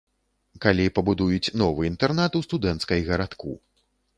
Калі пабудуюць новы інтэрнат у студэнцкай гарадку.